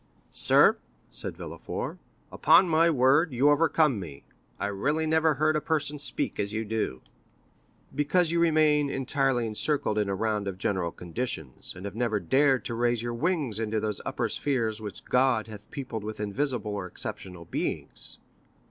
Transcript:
"Sir," said Villefort, "upon my word, you overcome me. I really never heard a person speak as you do." "Because you remain eternally encircled in a round of general conditions, and have never dared to raise your wings into those upper spheres which God has peopled with invisible or exceptional beings."